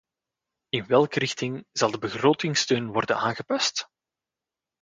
In welke richting zal de begrotingssteun worden aangepast?